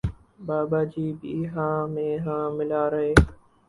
بابا جی بھی ہاں میں ہاں ملا رہے